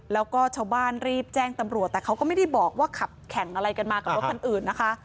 แล้วก็ชาวบ้านรีบแจ้งตำรวจแต่เขาก็ไม่ได้บอกว่าขับแข่งอะไรกันมากับรถคันอื่นนะคะ